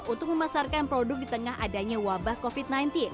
untuk memasarkan produk di tengah adanya wabah covid sembilan belas